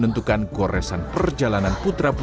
ibarat pepatah ada harga ada rupa